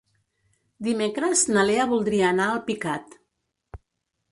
Dimecres na Lea voldria anar a Alpicat.